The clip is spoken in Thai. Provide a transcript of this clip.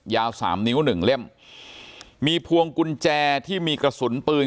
ยาวสามนิ้วหนึ่งเล่มมีพวงกุญแจที่มีกระสุนปืน